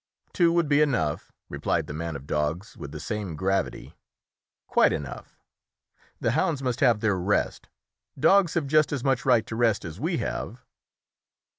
"Two would be enough," replied the man of dogs with the same gravity; "quite enough. The hounds must have their rest. Dogs have just as much right to rest as we have."